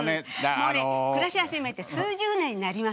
もうね暮らし始めて数十年になります。